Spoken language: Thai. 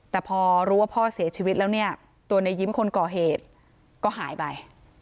แต่พอรู้ว่าพ่อเสียชีวิตแล้วเนี่ยตัวในยิ้มคนก่อเหตุก็หายไป